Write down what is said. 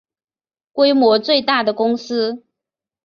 规模最大的公司